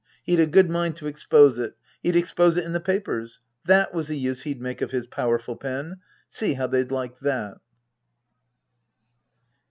He'd a good mind to expose it. He'd expose it in the papers. That was the use he'd make of his powerful pen. See how they'd like that.